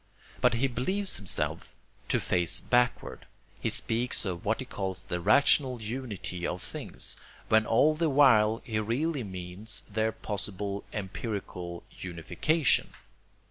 But he believes himself to face backward. He speaks of what he calls the rational UNITY of things, when all the while he really means their possible empirical UNIFICATION.